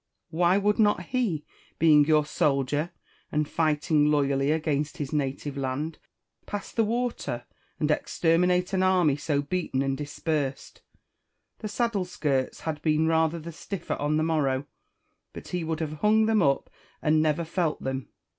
Why would not he, being your soldier, and fighting loyally against his native land, pass the water, and exterminate an army so beaten and dispersed 1 The saddle skirts had been rather the stiffer on the morrow, but he would have hung them up and never felt them.